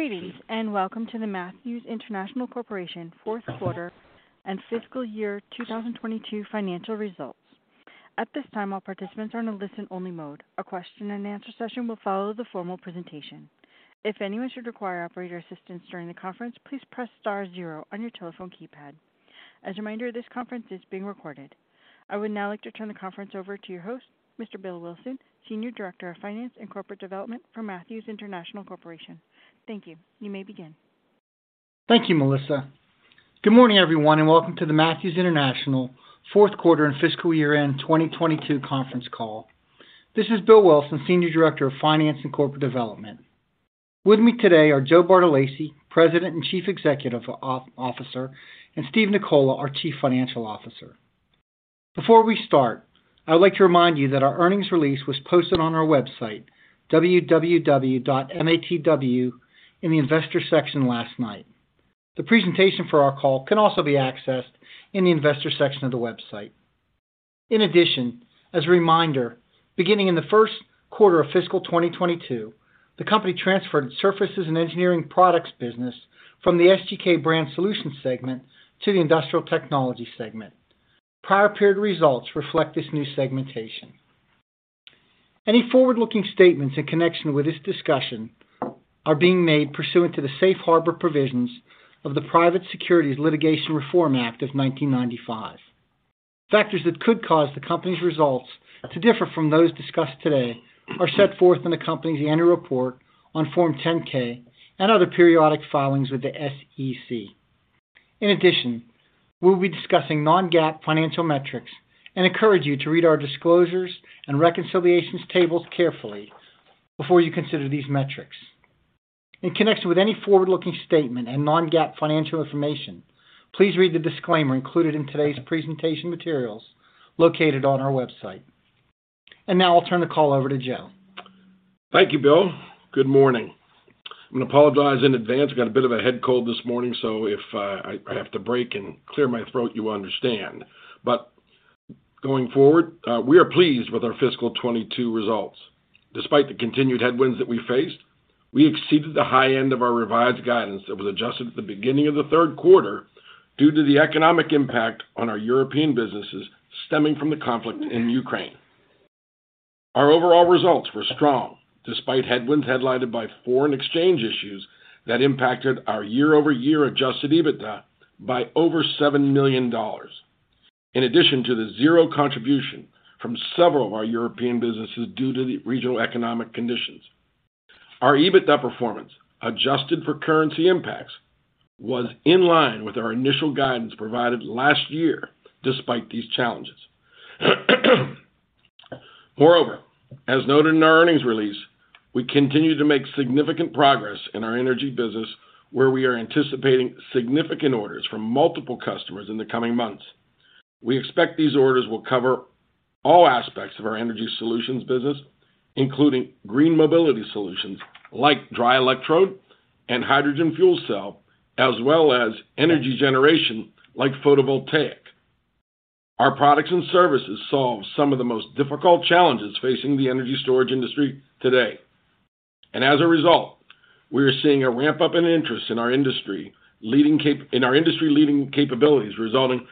Greetings, and welcome to the Matthews International Corporation Fourth Quarter and Fiscal Year 2022 Financial Results. At this time, all participants are in a listen-only mode. A question and answer session will follow the formal presentation. If anyone should require operator assistance during the conference, please press star zero on your telephone keypad. As a reminder, this conference is being recorded. I would now like to turn the conference over to your host, Mr. Bill Wilson, Senior Director of Finance and Corporate Development for Matthews International Corporation. Thank you. You may begin. Thank you, Melissa. Good morning, everyone, and welcome to the Matthews International Fourth Quarter and Fiscal Year End 2022 Conference Call. This is Bill Wilson, Senior Director of Finance and Corporate Development. With me today are Joe Bartolacci, President and Chief Executive Officer, and Steve Nicola, our Chief Financial Officer. Before we start, I would like to remind you that our earnings release was posted on our website, www.matw, in the investor section last night. The presentation for our call can also be accessed in the investor section of the website. In addition, as a reminder, beginning in the first quarter of fiscal 2022, the company transferred its surfaces and engineering products business from the SGK Brand Solutions segment to the Industrial Technologies segment. Prior period results reflect this new segmentation. Any forward-looking statements in connection with this discussion are being made pursuant to the safe harbor provisions of the Private Securities Litigation Reform Act of 1995. Factors that could cause the company's results to differ from those discussed today are set forth in the company's annual report on Form 10-K and other periodic filings with the SEC. In addition, we'll be discussing non-GAAP financial metrics and encourage you to read our disclosures and reconciliations tables carefully before you consider these metrics. In connection with any forward-looking statement and non-GAAP financial information, please read the disclaimer included in today's presentation materials located on our website. Now I'll turn the call over to Joe. Thank you, Bill. Good morning. I'm gonna apologize in advance. I've got a bit of a head cold this morning, so if I have to break and clear my throat, you understand. Going forward, we are pleased with our fiscal 2022 results. Despite the continued headwinds that we faced, we exceeded the high end of our revised guidance that was adjusted at the beginning of the third quarter due to the economic impact on our European businesses stemming from the conflict in Ukraine. Our overall results were strong despite headwinds highlighted by foreign exchange issues that impacted our year-over-year adjusted EBITDA by over $7 million, in addition to the zero contribution from several of our European businesses due to the regional economic conditions. Our EBITDA performance, adjusted for currency impacts, was in line with our initial guidance provided last year despite these challenges. Moreover, as noted in our earnings release, we continue to make significant progress in our energy business, where we are anticipating significant orders from multiple customers in the coming months. We expect these orders will cover all aspects of our energy solutions business, including green mobility solutions like dry electrode and hydrogen fuel cell, as well as energy generation like photovoltaic. Our products and services solve some of the most difficult challenges facing the energy storage industry today. As a result, we are seeing a ramp-up in interest in our industry-leading capabilities, resulting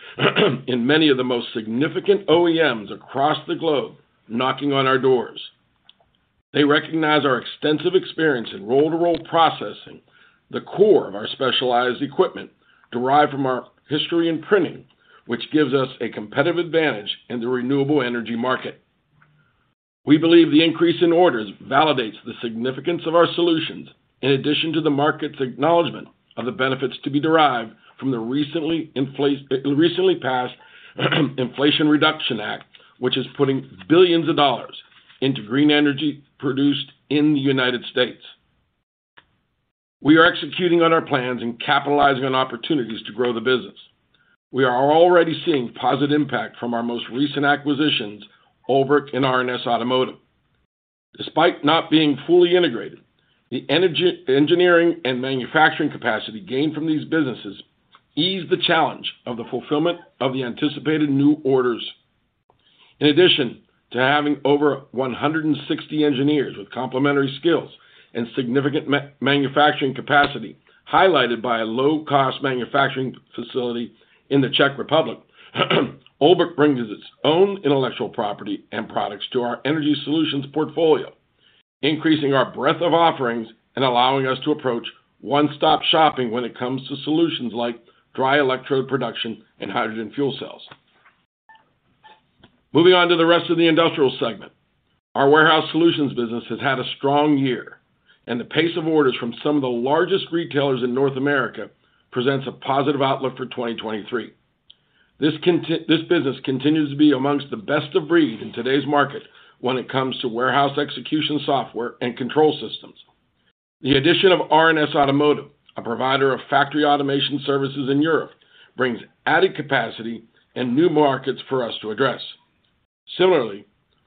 in many of the most significant OEMs across the globe knocking on our doors. They recognize our extensive experience in roll-to-roll processing, the core of our specialized equipment, derived from our history in printing, which gives us a competitive advantage in the renewable energy market. We believe the increase in orders validates the significance of our solutions, in addition to the market's acknowledgment of the benefits to be derived from the recently passed Inflation Reduction Act, which is putting billions of dollars into green energy produced in the United States. We are executing on our plans and capitalizing on opportunities to grow the business. We are already seeing positive impact from our most recent acquisitions, OLBRICH and R+S Automotive. Despite not being fully integrated, the engineering and manufacturing capacity gained from these businesses ease the challenge of the fulfillment of the anticipated new orders. In addition to having over 160 engineers with complementary skills and significant manufacturing capacity, highlighted by a low-cost manufacturing facility in the Czech Republic, OLBRICH brings its own intellectual property and products to our energy solutions portfolio, increasing our breadth of offerings and allowing us to approach one-stop-shopping when it comes to solutions like dry electrode production and hydrogen fuel cells. Moving on to the rest of the Industrial segment. Our warehouse solutions business has had a strong year, and the pace of orders from some of the largest retailers in North America presents a positive outlook for 2023. This business continues to be amongst the best of breed in today's market when it comes to warehouse execution software and control systems. The addition of R+S Automotive, a provider of factory automation services in Europe, brings added capacity and new markets for us to address. Similarly,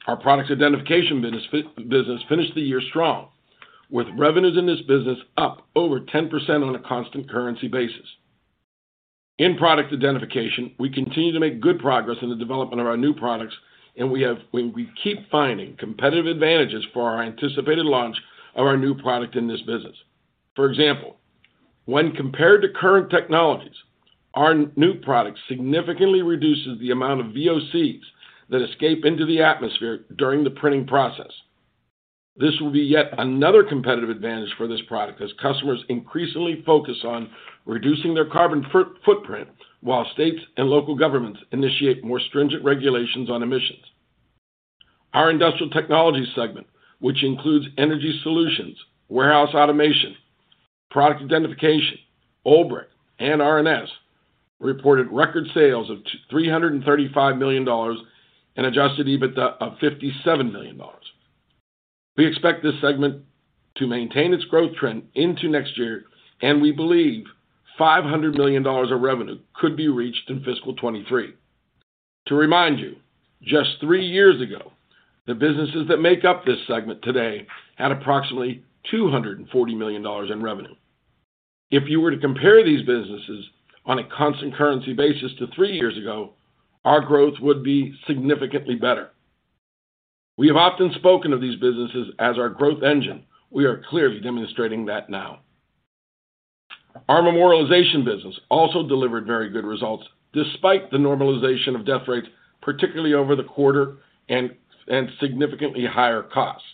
our product identification business finished the year strong, with revenues in this business up over 10% on a constant currency basis. In product identification, we continue to make good progress in the development of our new products, and we keep finding competitive advantages for our anticipated launch of our new product in this business. For example, when compared to current technologies, our new product significantly reduces the amount of VOCs that escape into the atmosphere during the printing process. This will be yet another competitive advantage for this product as customers increasingly focus on reducing their carbon footprint while states and local governments initiate more stringent regulations on emissions. Our Industrial Technologies segment, which includes energy solutions, warehouse automation, product identification, OLBRICH, and R+S, reported record sales of $335 million and adjusted EBITDA of $57 million. We expect this segment to maintain its growth trend into next year, and we believe $500 million of revenue could be reached in fiscal 2023. To remind you, just three years ago, the businesses that make up this segment today had approximately $240 million in revenue. If you were to compare these businesses on a constant currency basis to three years ago, our growth would be significantly better. We have often spoken of these businesses as our growth engine. We are clearly demonstrating that now. Our Memorialization business also delivered very good results despite the normalization of death rates, particularly over the quarter and significantly higher costs.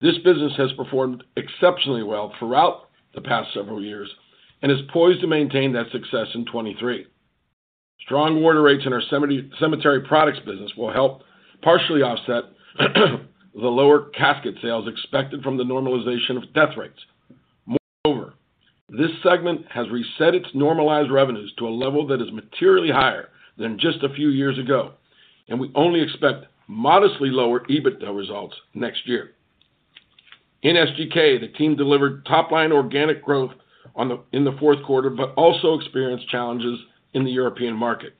This business has performed exceptionally well throughout the past several years and is poised to maintain that success in 2023. Strong order rates in our cemetery products business will help partially offset the lower casket sales expected from the normalization of death rates. Moreover, this segment has reset its normalized revenues to a level that is materially higher than just a few years ago, and we only expect modestly lower EBITDA results next year. In SGK, the team delivered top-line organic growth in the fourth quarter, but also experienced challenges in the European market.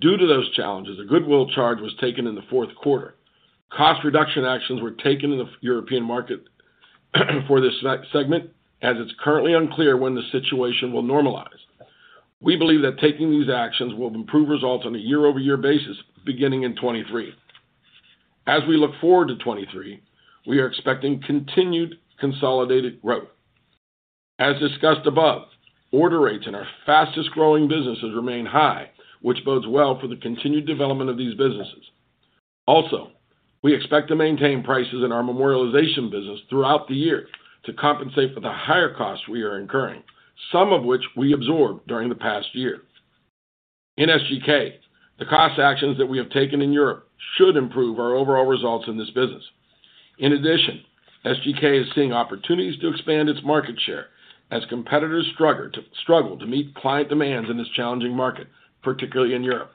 Due to those challenges, a goodwill charge was taken in the fourth quarter. Cost reduction actions were taken in the European market for this segment as it's currently unclear when the situation will normalize. We believe that taking these actions will improve results on a year-over-year basis beginning in 2023. As we look forward to 2023, we are expecting continued consolidated growth. As discussed above, order rates in our fastest-growing businesses remain high, which bodes well for the continued development of these businesses. Also, we expect to maintain prices in our memorialization business throughout the year to compensate for the higher costs we are incurring, some of which we absorbed during the past year. In SGK, the cost actions that we have taken in Europe should improve our overall results in this business. In addition, SGK is seeing opportunities to expand its market share as competitors struggle to meet client demands in this challenging market, particularly in Europe.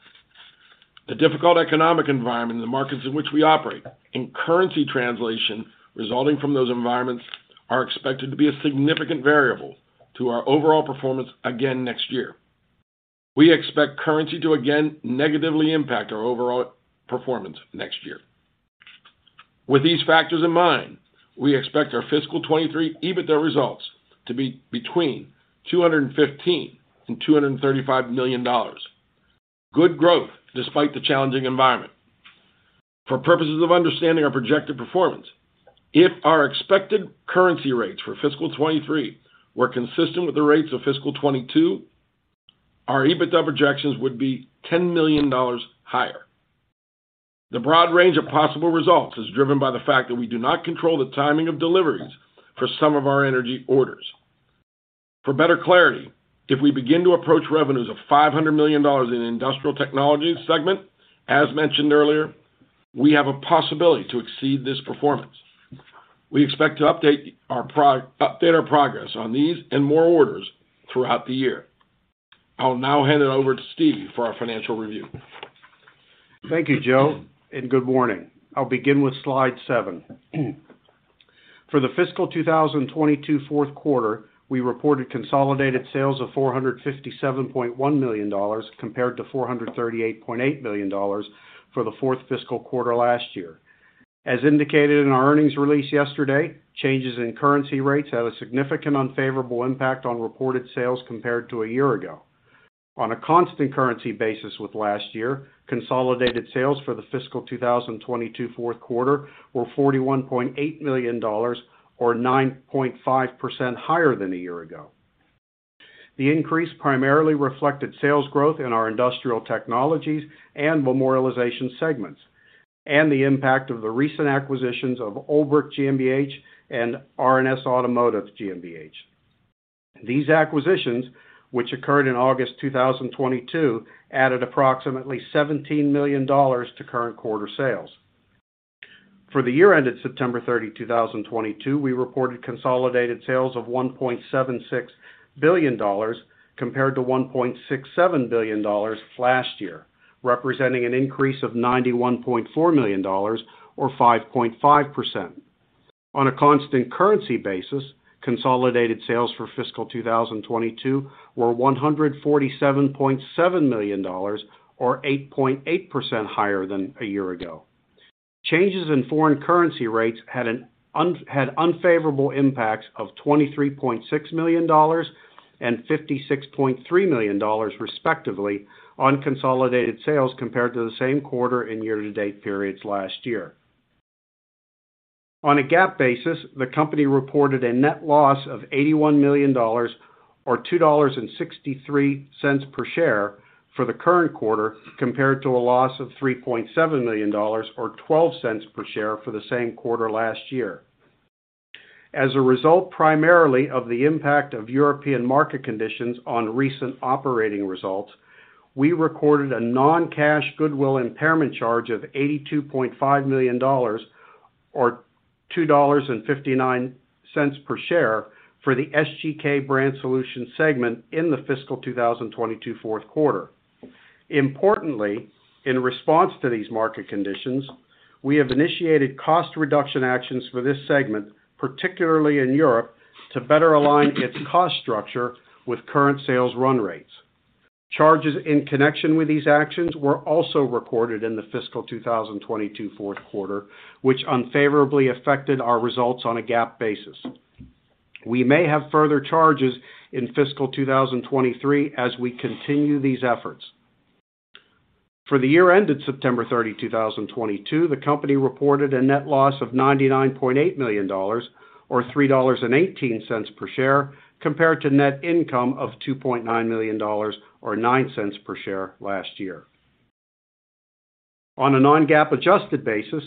The difficult economic environment in the markets in which we operate and currency translation resulting from those environments are expected to be a significant variable to our overall performance again next year. We expect currency to again negatively impact our overall performance next year. With these factors in mind, we expect our fiscal 2023 EBITDA results to be between $215 million and $235 million. Good growth despite the challenging environment. For purposes of understanding our projected performance, if our expected currency rates for fiscal 2023 were consistent with the rates of fiscal 2022, our EBITDA projections would be $10 million higher. The broad range of possible results is driven by the fact that we do not control the timing of deliveries for some of our energy orders. For better clarity, if we begin to approach revenues of $500 million in Industrial Technologies segment, as mentioned earlier, we have a possibility to exceed this performance. We expect to update our progress on these and more orders throughout the year. I'll now hand it over to Steve for our financial review. Thank you, Joe, and good morning. I'll begin with slide seven. For the fiscal 2022 fourth quarter, we reported consolidated sales of $457.1 million compared to $438.8 million for the fourth fiscal quarter last year. As indicated in our earnings release yesterday, changes in currency rates had a significant unfavorable impact on reported sales compared to a year ago. On a constant currency basis with last year, consolidated sales for the fiscal 2022 fourth quarter were $41.8 million or 9.5% higher than a year ago. The increase primarily reflected sales growth in our Industrial Technologies and Memorialization segments, and the impact of the recent acquisitions of OLBRICH GmbH and R+S Automotive GmbH. These acquisitions, which occurred in August 2022, added approximately $17 million to current quarter sales. For the year ended September 30, 2022, we reported consolidated sales of $1.76 billion compared to $1.67 billion last year, representing an increase of $91.4 million or 5.5%. On a constant currency basis, consolidated sales for fiscal 2022 were $147.7 million or 8.8% higher than a year ago. Changes in foreign currency rates had unfavorable impacts of $23.6 million and $56.3 million respectively on consolidated sales compared to the same quarter and year-to-date periods last year. On a GAAP basis, the company reported a net loss of $81 million or $2.63 per share for the current quarter, compared to a loss of $3.7 million Or $0.12 per share for the same quarter last year. As a result, primarily of the impact of European market conditions on recent operating results, we recorded a non-cash goodwill impairment charge of $82.5 million Or $2.59 per share for the SGK Brand Solutions segment in the fiscal two 2022 fourth quarter. Importantly, in response to these market conditions, we have initiated cost reduction actions for this segment, particularly in Europe, to better align its cost structure with current sales run rates. Charges in connection with these actions were also recorded in the fiscal 2022 fourth quarter, which unfavorably affected our results on a GAAP basis. We may have further charges in fiscal 2023 as we continue these efforts. For the year ended September 30, 2022, the company reported a net loss of $99.8 million or $3.18 per share, compared to net income of $2.9 million or $0.09 per share last year. On a non-GAAP adjusted basis,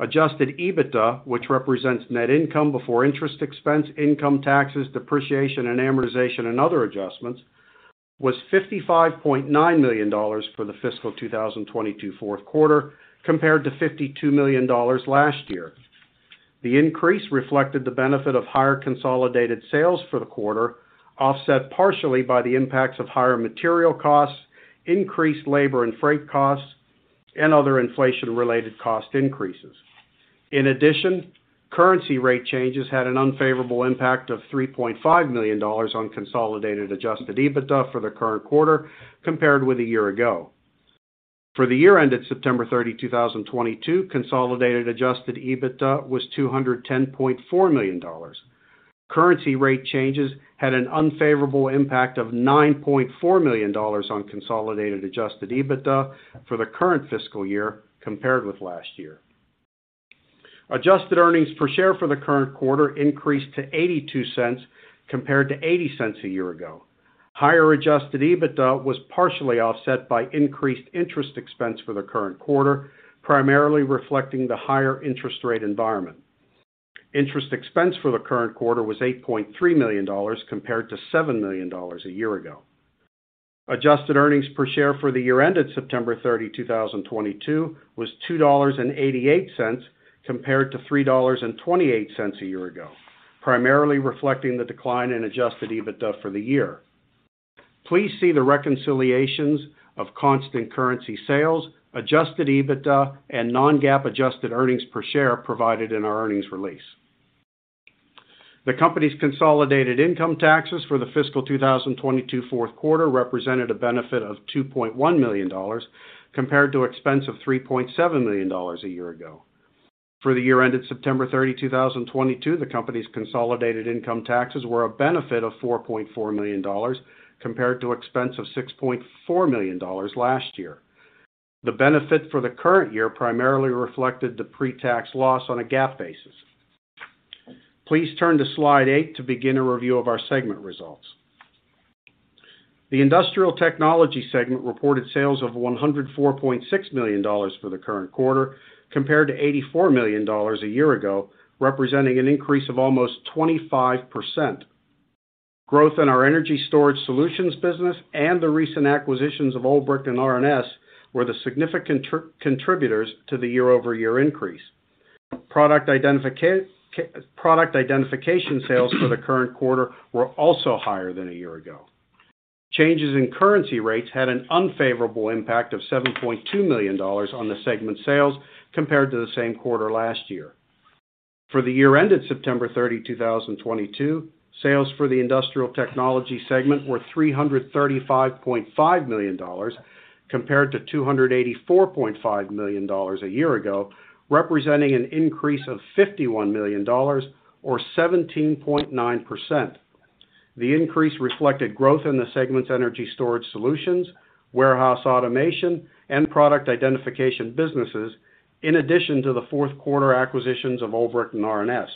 adjusted EBITDA, which represents net income before interest expense, income taxes, depreciation and amortization, and other adjustments, was $55.9 million for the fiscal 2022 fourth quarter compared to $52 million last year. The increase reflected the benefit of higher consolidated sales for the quarter, offset partially by the impacts of higher material costs, increased labor and freight costs, and other inflation-related cost increases. In addition, currency rate changes had an unfavorable impact of $3.5 million on consolidated adjusted EBITDA for the current quarter compared with a year ago. For the year ended September 30, 2022, consolidated adjusted EBITDA was $210.4 million. Currency rate changes had an unfavorable impact of $9.4 million on consolidated adjusted EBITDA for the current fiscal year compared with last year. Adjusted earnings per share for the current quarter increased to $0.82 compared to $0.80 a year ago. Higher adjusted EBITDA was partially offset by increased interest expense for the current quarter, primarily reflecting the higher interest rate environment. Interest expense for the current quarter was $8.3 million, compared to $7 million a year ago. Adjusted earnings per share for the year ended September 30, 2022 was $2.88 compared to $3.28 a year ago, primarily reflecting the decline in adjusted EBITDA for the year. Please see the reconciliations of constant currency sales, adjusted EBITDA, and non-GAAP adjusted earnings per share provided in our earnings release. The company's consolidated income taxes for the fiscal 2022 fourth quarter represented a benefit of $2.1 million compared to expense of $3.7 million a year ago. For the year ended September 30, 2022, the company's consolidated income taxes were a benefit of $4.4 million compared to expense of $6.4 million last year. The benefit for the current year primarily reflected the pre-tax loss on a GAAP basis. Please turn to slide eight to begin a review of our segment results. The Industrial Technologies segment reported sales of $104.6 million for the current quarter, compared to $84 million a year ago, representing an increase of almost 25%. Growth in our energy storage solutions business and the recent acquisitions of OLBRICH and R+S were the significant contributors to the year-over-year increase. Product identification sales for the current quarter were also higher than a year ago. Changes in currency rates had an unfavorable impact of $7.2 million on the segment's sales compared to the same quarter last year. For the year ended September 30, 2022, sales for the Industrial Technologies segment were $335.5 million, compared to $284.5 million a year ago, representing an increase of $51 million or 17.9%. The increase reflected growth in the segment's energy storage solutions, warehouse automation, and product identification businesses, in addition to the fourth quarter acquisitions of OLBRICH and R+S.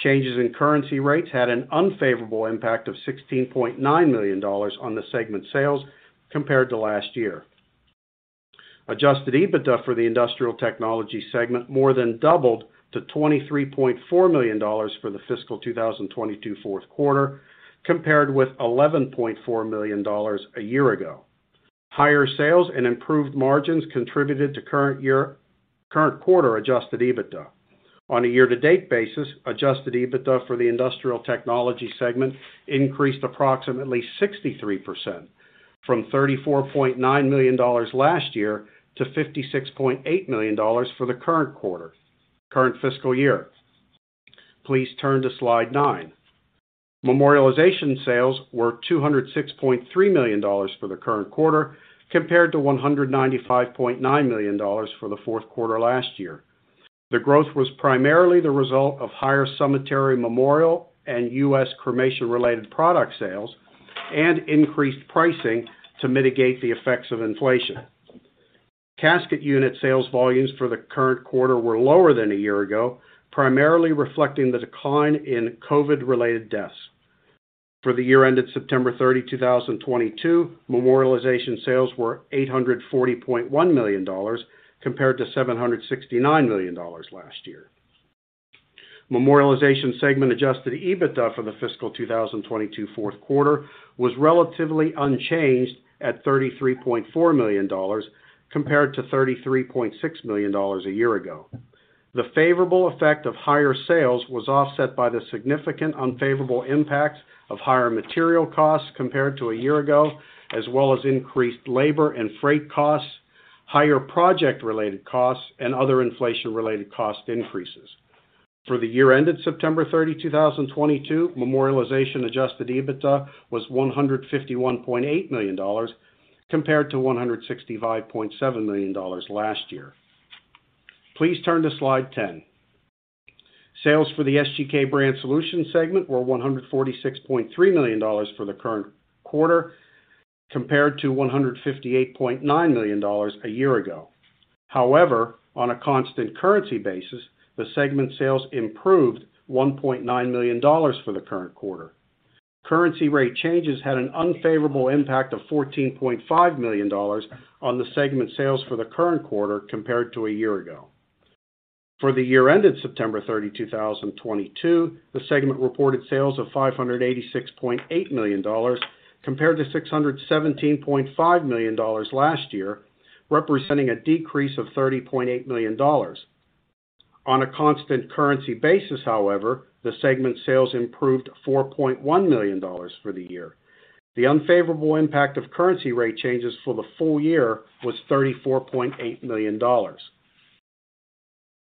Changes in currency rates had an unfavorable impact of $16.9 million on the segment's sales compared to last year. Adjusted EBITDA for the Industrial Technologies segment more than doubled to $23.4 million for the fiscal 2022 fourth quarter, compared with $11.4 million a year ago. Higher sales and improved margins contributed to current quarter adjusted EBITDA. On a year-to-date basis, Adjusted EBITDA for the Industrial Technologies segment increased approximately 63% from $34.9 million last year to $56.8 million for the current fiscal year. Please turn to slide nine. Memorialization sales were $206.3 million for the current quarter compared to $195.9 million for the fourth quarter last year. The growth was primarily the result of higher cemetery memorial and U.S. cremation-related product sales and increased pricing to mitigate the effects of inflation. Casket unit sales volumes for the current quarter were lower than a year ago, primarily reflecting the decline in COVID-related deaths. For the year ended September 30, 2022, memorialization sales were $840.1 million compared to $769 million last year. Memorialization segment adjusted EBITDA for the fiscal 2022 fourth quarter was relatively unchanged at $33.4 million compared to $33.6 million a year ago. The favorable effect of higher sales was offset by the significant unfavorable impact of higher material costs compared to a year ago, as well as increased labor and freight costs, higher project-related costs, and other inflation-related cost increases. For the year ended September 30, 2022, Memorialization adjusted EBITDA was $151.8 million compared to $165.7 million last year. Please turn to slide 10. Sales for the SGK Brand Solutions segment were $146.3 million for the current quarter compared to $158.9 million a year ago. However, on a constant currency basis, the segment's sales improved $1.9 million for the current quarter. Currency rate changes had an unfavorable impact of $14.5 million on the segment's sales for the current quarter compared to a year ago. For the year ended September 30, 2022, the segment reported sales of $586.8 million compared to $617.5 million last year, representing a decrease of $30.8 million. On a constant currency basis, however, the segment's sales improved $4.1 million for the year. The unfavorable impact of currency rate changes for the full year was $34.8 million.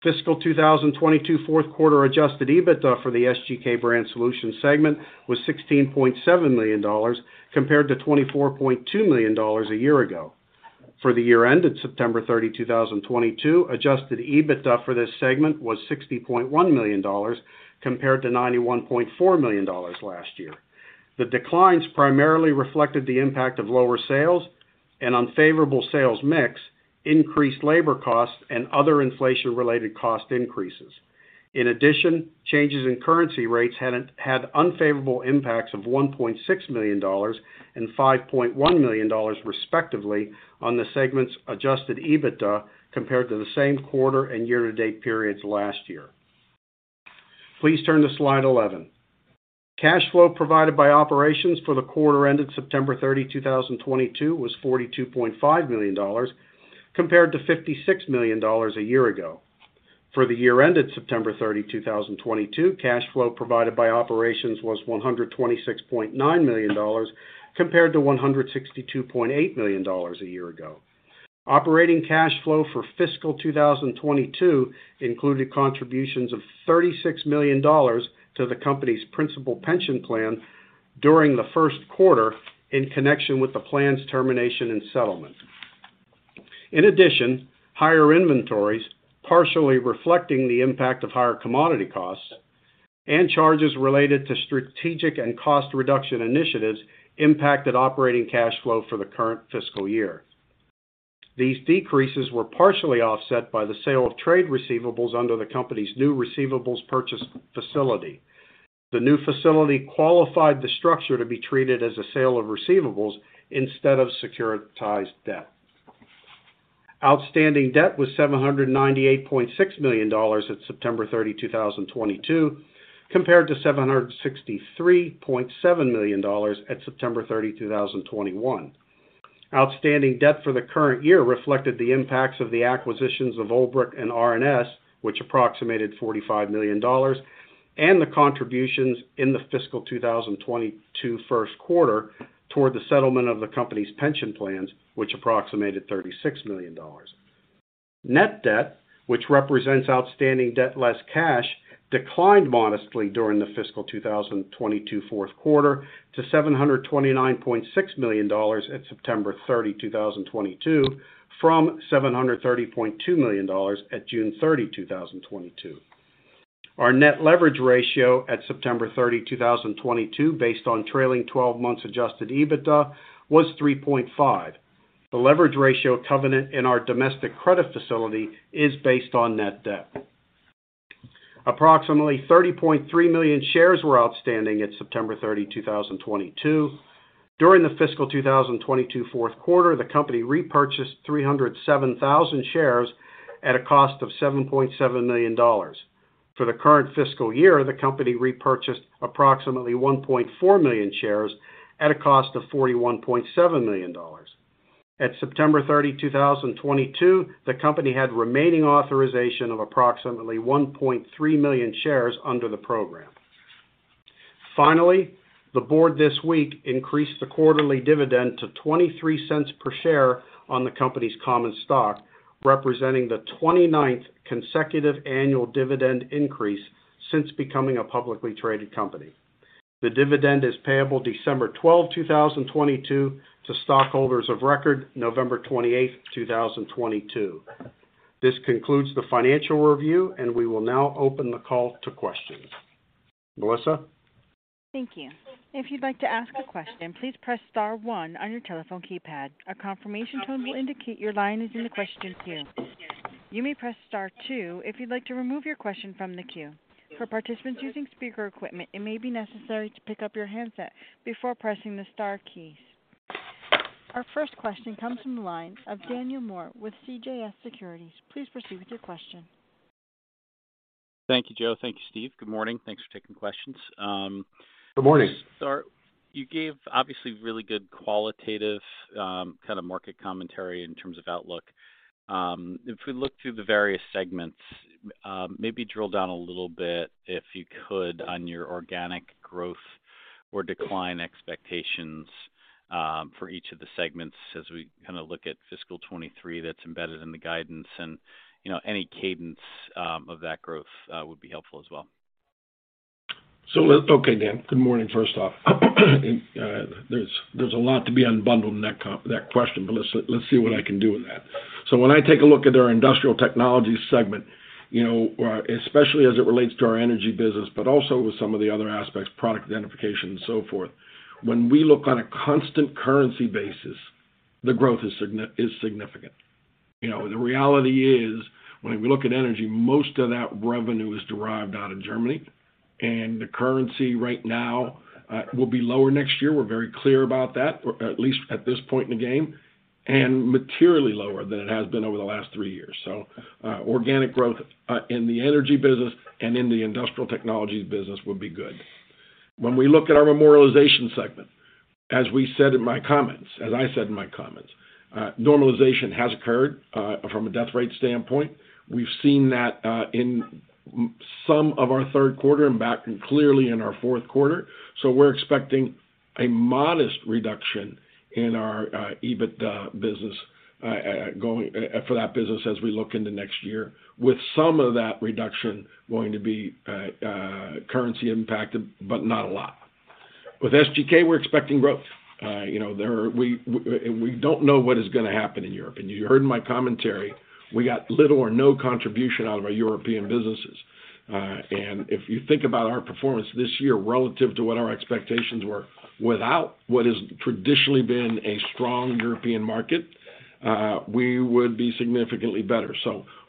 Fiscal 2022 fourth quarter adjusted EBITDA for the SGK Brand Solutions segment was $16.7 million compared to $24.2 million a year ago. For the year ended September 30, 2022, adjusted EBITDA for this segment was $60.1 million compared to $91.4 million last year. The declines primarily reflected the impact of lower sales and unfavorable sales mix, increased labor costs, and other inflation-related cost increases. In addition, changes in currency rates had unfavorable impacts of $1.6 million and $5.1 million, respectively, on the segment's adjusted EBITDA compared to the same quarter and year-to-date periods last year. Please turn to slide 11. Cash flow provided by operations for the quarter ended September 30, 2022 was $42.5 million compared to $56 million a year ago. For the year ended September 30, 2022, cash flow provided by operations was $126.9 million compared to $162.8 million a year ago. Operating cash flow for fiscal 2022 included contributions of $36 million to the company's principal pension plan during the first quarter in connection with the plan's termination and settlement. In addition, higher inventories, partially reflecting the impact of higher commodity costs and charges related to strategic and cost reduction initiatives impacted operating cash flow for the current fiscal year. These decreases were partially offset by the sale of trade receivables under the company's new receivables purchase facility. The new facility qualified the structure to be treated as a sale of receivables instead of securitized debt. Outstanding debt was $798.6 million at September 30, 2022 compared to $763.7 million at September 30, 2021. Outstanding debt for the current year reflected the impacts of the acquisitions of OLBRICH and R+S, which approximated $45 million, and the contributions in the fiscal 2022 first quarter toward the settlement of the company's pension plans, which approximated $36 million. Net debt, which represents outstanding debt less cash, declined modestly during the fiscal 2022 fourth quarter to $729.6 million at September 30, 2022 from $730.2 million at June 30, 2022. Our net leverage ratio at September 30, 2022, based on trailing 12 months adjusted EBITDA, was 3.5. The leverage ratio covenant in our domestic credit facility is based on net debt. Approximately 30.3 million shares were outstanding at September 30, 2022. During the fiscal 2022 fourth quarter, the company repurchased 307,000 shares at a cost of $7.7 million. For the current fiscal year, the company repurchased approximately 1.4 million shares at a cost of $41.7 million. At September 30, 2022, the company had remaining authorization of approximately 1.3 million shares under the program. Finally, the board this week increased the quarterly dividend to $0.23 per share on the company's common stock, representing the 29th consecutive annual dividend increase since becoming a publicly traded company. The dividend is payable December 12, 2022 to stockholders of record November 28th, 2022. This concludes the financial review, and we will now open the call to questions. Melissa? Thank you. If you'd like to ask a question, please press star one on your telephone keypad. A confirmation tone will indicate your line is in the question queue. You may press star two if you'd like to remove your question from the queue. For participants using speaker equipment, it may be necessary to pick up your handset before pressing the star keys. Our first question comes from the line of Daniel Moore with CJS Securities. Please proceed with your question. Thank you, Joe. Thank you, Steve. Good morning. Thanks for taking questions. Good morning. You gave obviously really good qualitative kind of market commentary in terms of outlook. If we look through the various segments, maybe drill down a little bit, if you could, on your organic growth or decline expectations for each of the segments as we kind of look at fiscal 2023 that's embedded in the guidance, and, you know, any cadence of that growth would be helpful as well. Okay, Dan. Good morning, first off. There's a lot to be unbundled in that question, but let's see what I can do with that. When I take a look at our Industrial Technologies segment, you know, especially as it relates to our energy business, but also with some of the other aspects, product identification and so forth, when we look on a constant currency basis, the growth is significant. You know, the reality is, when we look at energy, most of that revenue is derived out of Germany, and the currency right now will be lower next year. We're very clear about that, or at least at this point in the game, and materially lower than it has been over the last three years. Organic growth in the energy business and in the Industrial Technologies business will be good. When we look at our memorialization segment, as I said in my comments, normalization has occurred from a death rate standpoint. We've seen that in some of our third quarter and back and clearly in our fourth quarter. We're expecting a modest reduction in our EBITDA business for that business as we look into next year, with some of that reduction going to be currency impacted, but not a lot. With SGK, we're expecting growth. You know, we don't know what is gonna happen in Europe. You heard in my commentary, we got little or no contribution out of our European businesses. If you think about our performance this year relative to what our expectations were without what has traditionally been a strong European market, we would be significantly better.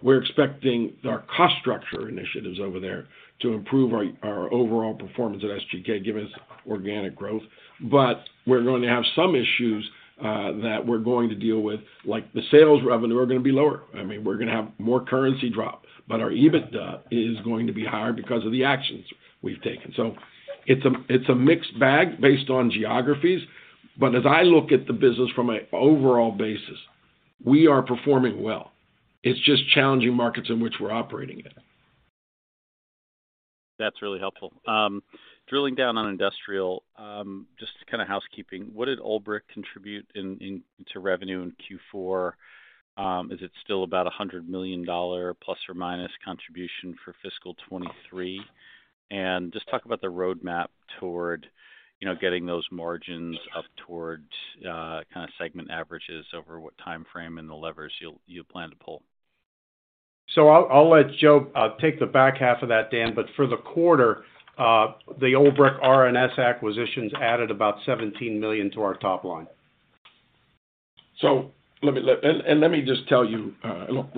We're expecting our cost structure initiatives over there to improve our overall performance at SGK, give us organic growth. We're going to have some issues that we're going to deal with, like the sales revenue are gonna be lower. I mean, we're gonna have more currency drop, but our EBITDA is going to be higher because of the actions we've taken. It's a mixed bag based on geographies. As I look at the business from an overall basis, we are performing well. It's just challenging markets in which we're operating in. That's really helpful. Drilling down on industrial, just kind of housekeeping, what did OLBRICH contribute to revenue in Q4? Is it still about $100 million ± contribution for fiscal 2023? Just talk about the roadmap toward, you know, getting those margins up towards kind of segment averages over what timeframe and the levers you'll plan to pull. I'll let Joe take the back half of that, Dan. For the quarter, the OLBRICH R+S acquisitions added about $17 million to our top line. Let me just tell you, look,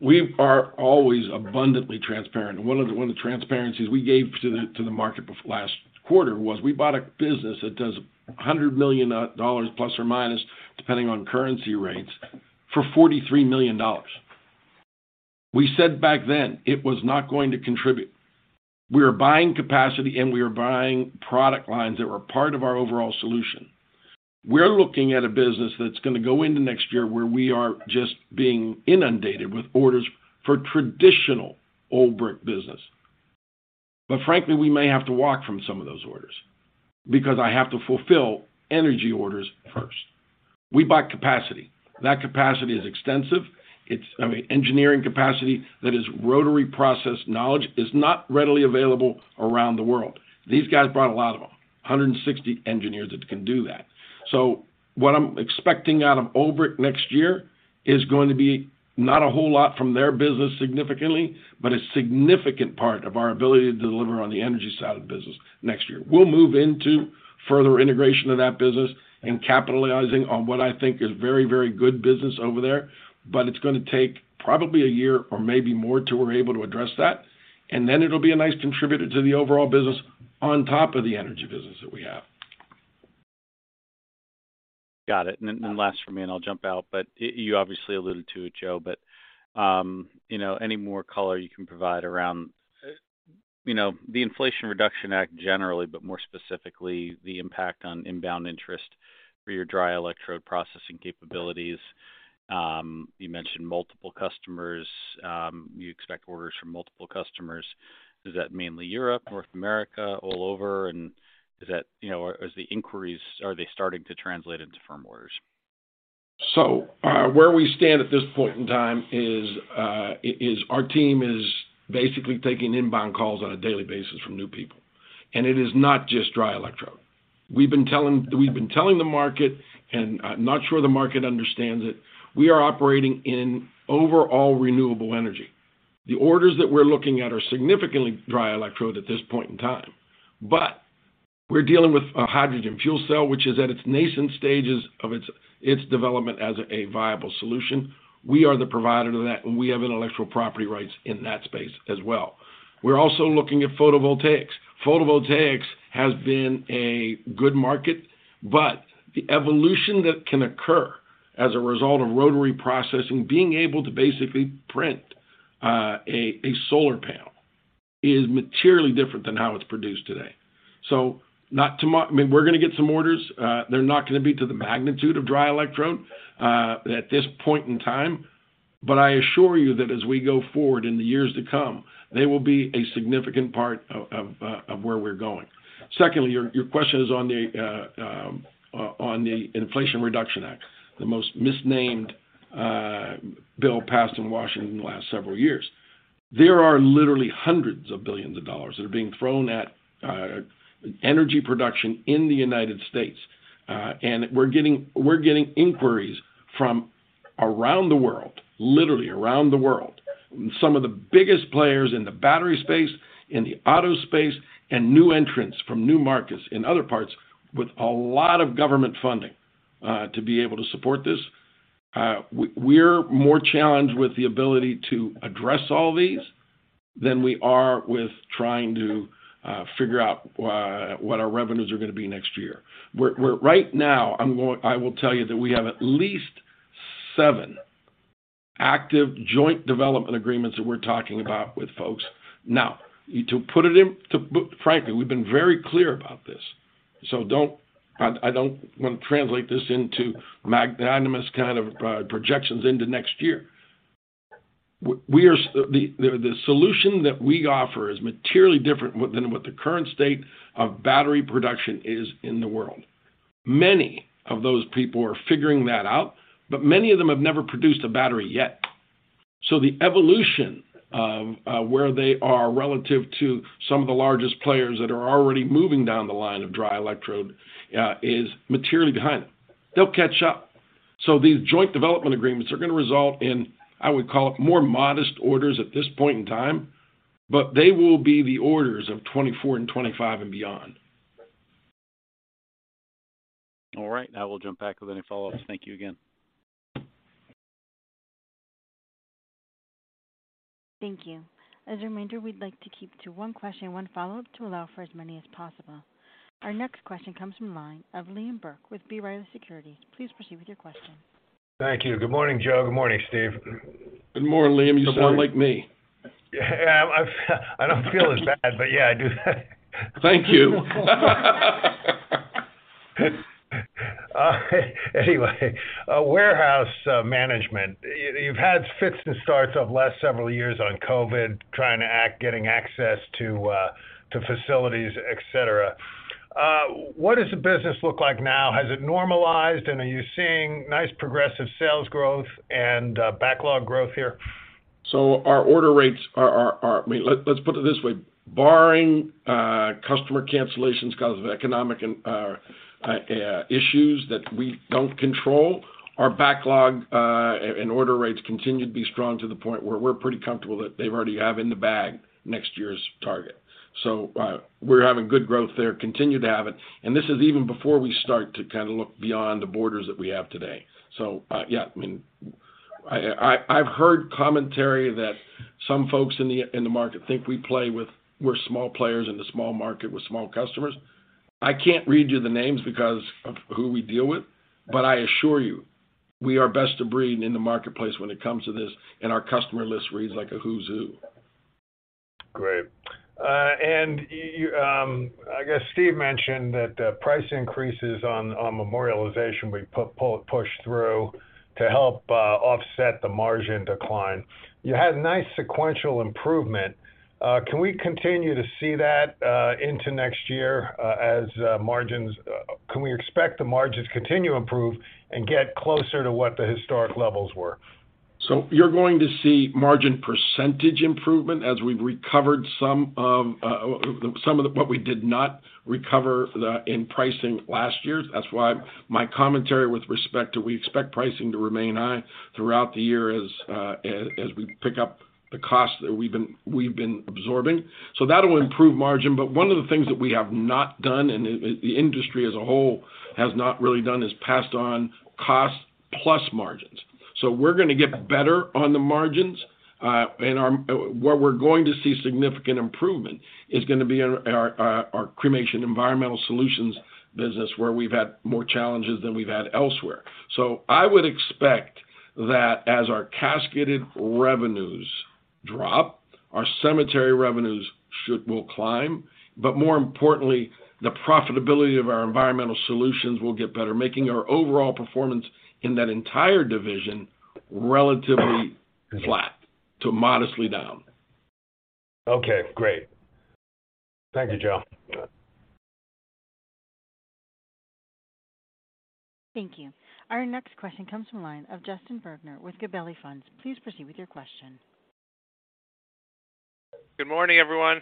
we are always abundantly transparent. One of the transparencies we gave to the market last quarter was we bought a business that does $100 million, ±, depending on currency rates, for $43 million. We said back then it was not going to contribute. We are buying capacity, and we are buying product lines that were part of our overall solution. We're looking at a business that's gonna go into next year where we are just being inundated with orders for traditional OLBRICH business. Frankly, we may have to walk from some of those orders because I have to fulfill energy orders first. We bought capacity. That capacity is extensive. It's, I mean, engineering capacity. That is, rotary processing knowledge is not readily available around the world. These guys brought a lot of them, 160 engineers that can do that. What I'm expecting out of OLBRICH next year is going to be not a whole lot from their business significantly, but a significant part of our ability to deliver on the energy side of the business next year. We'll move into further integration of that business and capitalizing on what I think is very good business over there, but it's gonna take probably a year or maybe more till we're able to address that. It'll be a nice contributor to the overall business on top of the energy business that we have. Got it. Last for me, and I'll jump out, but you obviously alluded to it, Joe. You know, any more color you can provide around, you know, the Inflation Reduction Act generally, but more specifically, the impact on inbound interest for your dry electrode processing capabilities? You mentioned multiple customers. You expect orders from multiple customers. Is that mainly Europe, North America, all over? Is that, you know, as the inquiries, are they starting to translate into firm orders? Where we stand at this point in time is our team is basically taking inbound calls on a daily basis from new people. It is not just dry electrode. We've been telling the market, and I'm not sure the market understands it. We are operating in overall renewable energy. The orders that we're looking at are significantly dry electrode at this point in time. We're dealing with a hydrogen fuel cell, which is at its nascent stages of its development as a viable solution. We are the provider to that, and we have intellectual property rights in that space as well. We're also looking at photovoltaics. Photovoltaics has been a good market, but the evolution that can occur as a result of rotary processing, being able to basically print a solar panel is materially different than how it's produced today. Not tomorrow, I mean, we're gonna get some orders. They're not gonna be to the magnitude of dry electrode at this point in time. I assure you that as we go forward in the years to come, they will be a significant part of where we're going. Secondly, your question is on the Inflation Reduction Act, the most misnamed bill passed in Washington in the last several years. There are literally hundreds of billions of dollars that are being thrown at energy production in the United States. We're getting inquiries from around the world, literally around the world, some of the biggest players in the battery space, in the auto space, and new entrants from new markets in other parts with a lot of government funding to be able to support this. We're more challenged with the ability to address all these than we are with trying to figure out what our revenues are gonna be next year. I will tell you that we have at least seven active joint development agreements that we're talking about with folks. Now, frankly, we've been very clear about this. I don't want to translate this into magnanimous kind of projections into next year. The solution that we offer is materially different than what the current state of battery production is in the world. Many of those people are figuring that out, but many of them have never produced a battery yet. The evolution of where they are relative to some of the largest players that are already moving down the line of dry electrode is materially behind. They'll catch up. These joint development agreements are gonna result in, I would call it, more modest orders at this point in time, but they will be the orders of 2024 and 2025 and beyond. All right. Now we'll jump back with any follow-ups. Thank you again. Thank you. As a reminder, we'd like to keep to one question, one follow-up, to allow for as many as possible. Our next question comes from the line of Liam Burke with B. Riley Securities. Please proceed with your question. Thank you. Good morning, Joe. Good morning, Steve. Good morning, Liam. You sound like me. Yeah. I don't feel as bad, but yeah, I do. Thank you. Anyway, warehouse management. You've had fits and starts of last several years on COVID, getting access to facilities, et cetera. What does the business look like now? Has it normalized, and are you seeing nice progressive sales growth and backlog growth here? Our order rates are, I mean, let's put it this way. Barring customer cancellations because of economic and issues that we don't control, our backlog and order rates continue to be strong to the point where we're pretty comfortable that they've already have in the bag next year's target. We're having good growth there. Continue to have it. This is even before we start to kind of look beyond the borders that we have today. Yeah, I mean, I've heard commentary that some folks in the market think we're small players in a small market with small customers. I can't read you the names because of who we deal with, but I assure you, we are best of breed in the marketplace when it comes to this, and our customer list reads like a who's who. Great. I guess Steve mentioned that the price increases on Memorialization we pushed through to help offset the margin decline. You had nice sequential improvement. Can we continue to see that into next year? Can we expect the margins to continue to improve and get closer to what the historic levels were? You're going to see margin percentage improvement as we've recovered some of. We did not recover the in pricing last year. That's why my commentary with respect to we expect pricing to remain high throughout the year as we pick up the cost that we've been absorbing. That will improve margin. One of the things that we have not done, and the industry as a whole has not really done, is passed on cost plus margins. We're gonna get better on the margins. Where we're going to see significant improvement is gonna be in our Cremation Environmental Solutions business, where we've had more challenges than we've had elsewhere. I would expect that as our casketed revenues drop, our cemetery revenues will climb. More importantly, the profitability of our Environmental Solutions will get better, making our overall performance in that entire division relatively flat to modestly down. Okay, great. Thank you, Joe. Thank you. Our next question comes from line of Justin Bergner with Gabelli Funds. Please proceed with your question. Good morning, everyone.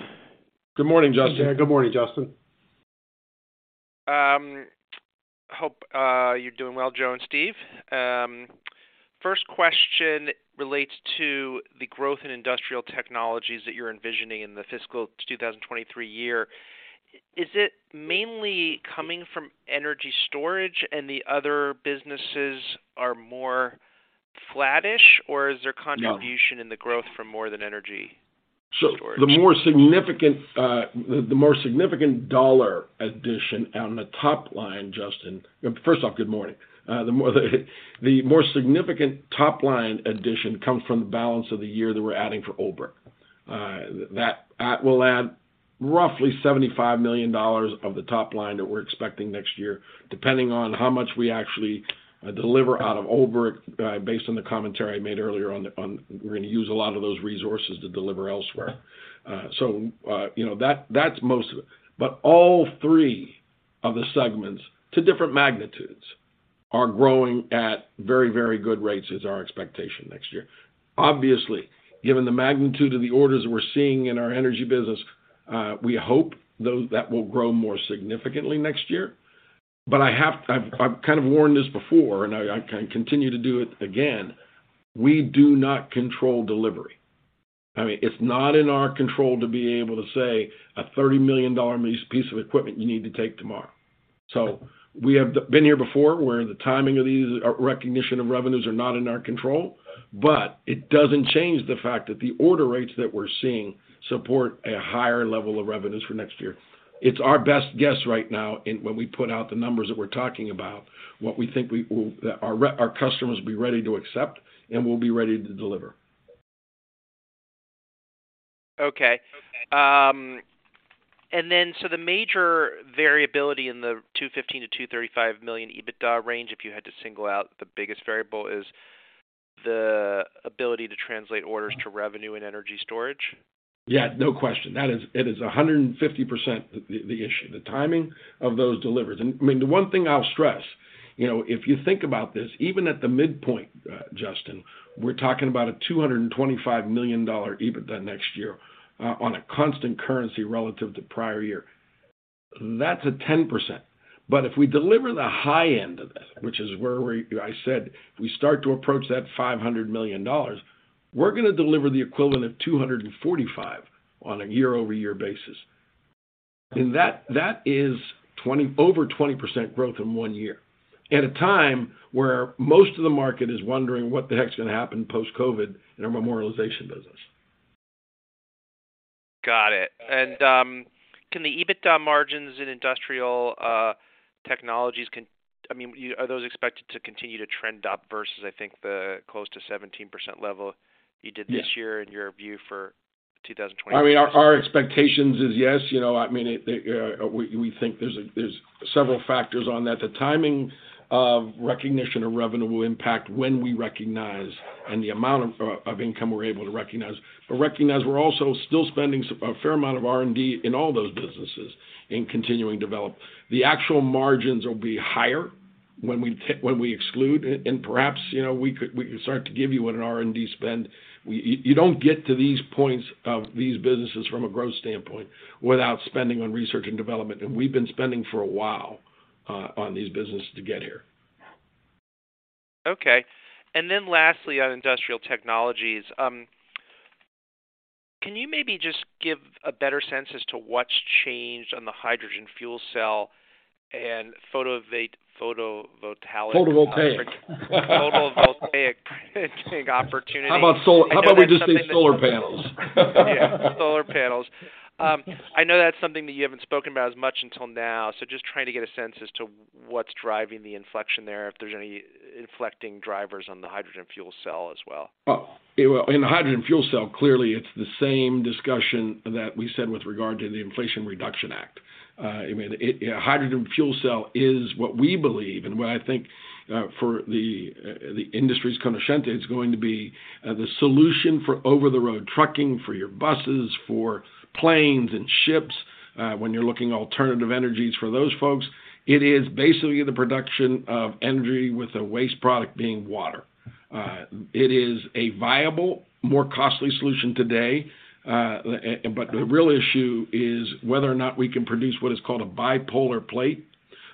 Good morning, Justin. Yeah, good morning, Justin. Hope you're doing well, Joe and Steve. First question relates to the growth in Industrial Technologies that you're envisioning in the fiscal 2023 year. Is it mainly coming from energy storage and the other businesses are more flattish? Is there contribution? No In the growth from more than energy? The more significant dollar addition on the top line, Justin. First off, good morning. The more significant top line addition comes from the balance of the year that we're adding for OLBRICH. We'll add roughly $75 million of the top line that we're expecting next year, depending on how much we actually deliver out of OLBRICH, based on the commentary I made earlier on we're gonna use a lot of those resources to deliver elsewhere. You know, that's most of it. All three of the segments to different magnitudes are growing at very good rates is our expectation next year. Obviously, given the magnitude of the orders we're seeing in our energy business, we hope that will grow more significantly next year. I've kind of warned this before, and I can continue to do it again. We do not control delivery. I mean, it's not in our control to be able to say a 30 million dollar piece of equipment you need to take tomorrow. We have been here before, where the timing of these recognition of revenues are not in our control. It doesn't change the fact that the order rates that we're seeing support a higher level of revenues for next year. It's our best guess right now in when we put out the numbers that we're talking about, what we think our customers will be ready to accept, and we'll be ready to deliver. Okay. The major variability in the $215 million to $235 million EBITDA range, if you had to single out the biggest variable, is the ability to translate orders to revenue and energy storage? Yeah, no question. It is 150% the issue, the timing of those deliveries. I mean, the one thing I'll stress, you know, if you think about this, even at the midpoint, Justin, we're talking about a $225 million EBITDA next year on a constant currency relative to prior year. That's a 10%. If we deliver the high end of it, which is where I said we start to approach that $500 million, we're gonna deliver the equivalent of $245 million on a year-over-year basis. That is over 20% growth in one year at a time where most of the market is wondering what the heck is gonna happen post-COVID in our memorialization business. Got it. Can the EBITDA margins in Industrial Technologies, I mean, are those expected to continue to trend up versus, I think, the close to 17% level you did this year in your view for 2022? I mean, our expectations is yes. You know, I mean, we think there's several factors on that. The timing of recognition of revenue will impact when we recognize and the amount of income we're able to recognize. Recognize we're also still spending a fair amount of R&D in all those businesses in continuing develop. The actual margins will be higher when we exclude. Perhaps, you know, we could start to give you what an R&D spend. You don't get to these points of these businesses from a growth standpoint without spending on research and development, and we've been spending for a while on these businesses to get here. Okay. Lastly, on Industrial Technologies, can you maybe just give a better sense as to what's changed on the hydrogen fuel cell and photovoltaic? Photovoltaic. Photovoltaic opportunity? How about solar? How about we just say solar panels? Yeah, solar panels. I know that's something that you haven't spoken about as much until now. Just trying to get a sense as to what's driving the inflection there, if there's any inflecting drivers on the hydrogen fuel cell as well. Oh, well, in the hydrogen fuel cell, clearly, it's the same discussion that we said with regard to the Inflation Reduction Act. I mean, hydrogen fuel cell is what we believe and what I think for the industry's cognoscente, it's going to be the solution for over-the-road trucking, for your buses, for planes and ships, when you're looking alternative energies for those folks. It is basically the production of energy with the waste product being water. It is a viable, more costly solution today. The real issue is whether or not we can produce what is called a bipolar plate.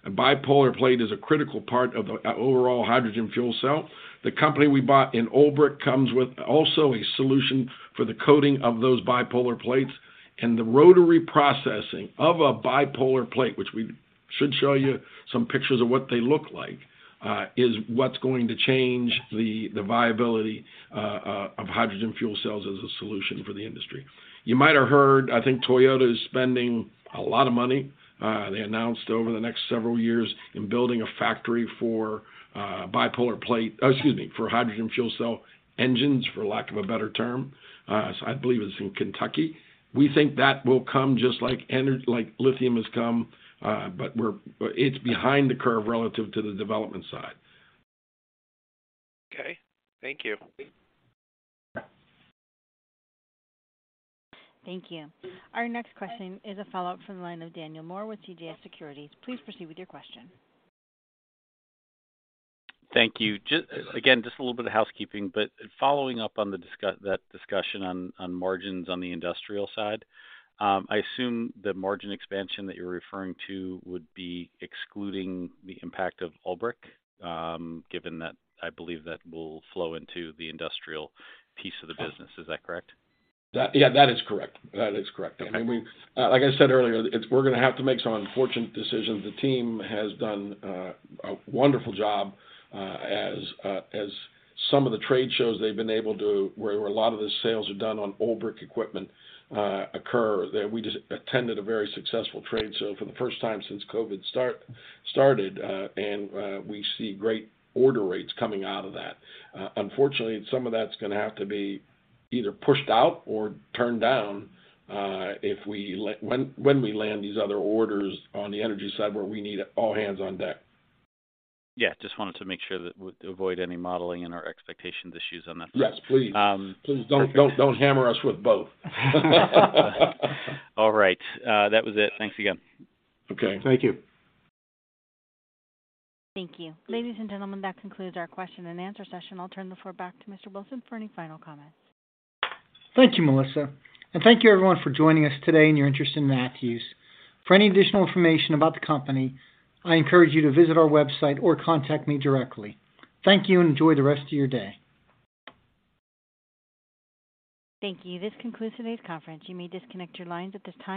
A bipolar plate is a critical part of the overall hydrogen fuel cell. The company we bought in OLBRICH comes with also a solution for the coating of those bipolar plates. The rotary processing of a bipolar plate, which we should show you some pictures of what they look like, is what's going to change the viability of hydrogen fuel cells as a solution for the industry. You might have heard, I think Toyota is spending a lot of money, they announced over the next several years in building a factory for hydrogen fuel cell engines, for lack of a better term. I believe it's in Kentucky. We think that will come just like lithium has come, it's behind the curve relative to the development side. Thank you. Thank you. Our next question is a follow-up from the line of Daniel Moore with CJS Securities. Please proceed with your question. Thank you. Just, again, just a little bit of housekeeping. Following up on the discussion on margins on the industrial side. I assume the margin expansion that you're referring to would be excluding the impact of OLBRICH, given that I believe that will flow into the industrial piece of the business. Is that correct? Yeah, that is correct. Okay. I mean, like I said earlier, we're gonna have to make some unfortunate decisions. The team has done a wonderful job as some of the trade shows where a lot of the sales are done on OLBRICH equipment occur. That we just attended a very successful trade show for the first time since COVID started, and we see great order rates coming out of that. Unfortunately, some of that's gonna have to be either pushed out or turned down when we land these other orders on the energy side where we need all hands on deck. Yeah, just wanted to make sure that we avoid any modeling and our expectations issues on that. Yes, please. Please don't hammer us with both. All right. That was it. Thanks again. Okay. Thank you. Thank you. Ladies and gentlemen, that concludes our question and answer session. I'll turn the floor back to Mr. Wilson for any final comments. Thank you, Melissa. Thank you everyone for joining us today and your interest in Matthews. For any additional information about the company, I encourage you to visit our website or contact me directly. Thank you, and enjoy the rest of your day. Thank you. This concludes today's conference. You may disconnect your lines at this time.